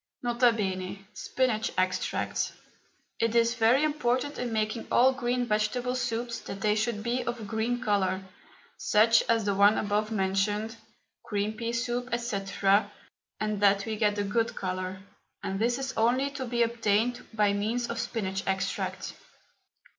N.B. SPINACH EXTRACT. It is very important in making all green vegetable soups that they should be of a green colour, such as the one above mentioned green pea soup, &c., and that we get a good colour, and this is only to be obtained by means of spinach extract.